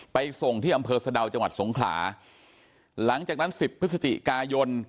ไปส่งที่อำเภอสะดาวจังหวัดสงขลาหลังจากนั้นสิบพฤศจิกายน